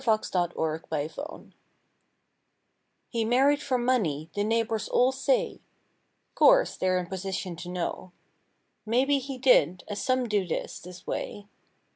185 MARRIED FOR MONEY He married for money, the neighbors all say; ('Course they're in position to know) May be he did, as some do this, this way.